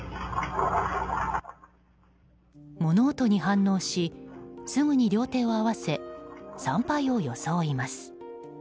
物音に反応しすぐに両手を合わせ参拝を装います。